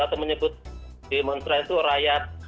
atau menyebut demonstran itu rakyat